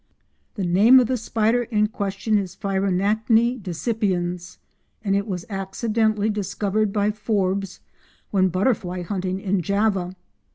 The name of the spider in question is Phrynarachne decipiens, and it was accidentally discovered by Forbes when butterfly hunting in Java.